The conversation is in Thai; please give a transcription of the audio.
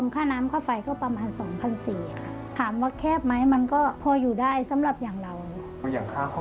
เขาเสียดีพออะไรเลย